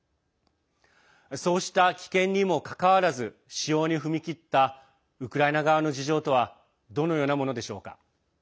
そうした危険にもかかわらず使用に踏み切ったウクライナ側の事情とはどのようなものでしょうか。